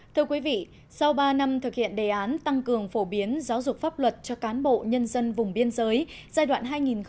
thưa quý vị sau ba năm thực hiện đề án tăng cường phổ biến giáo dục pháp luật cho cán bộ nhân dân vùng biên giới giai đoạn hai nghìn một mươi sáu hai nghìn hai mươi